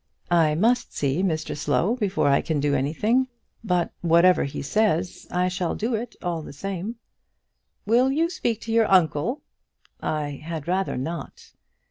"I must see Mr Slow before I can do anything; but whatever he says, I shall do it all the same." "Will you speak to your uncle?" "I had rather not."